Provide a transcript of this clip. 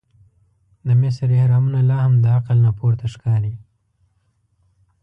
د مصر احرامونه لا هم د عقل نه پورته ښکاري.